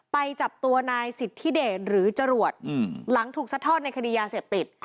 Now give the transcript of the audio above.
ไปจับตัวนายสิทธิเดชหรือจรวดหลังถูกซัดทอดในคดียาเสพติด